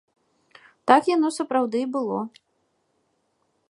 Так яно сапраўды і было.